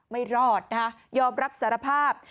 ไม่รอดนะคะยอมรับสารภาพ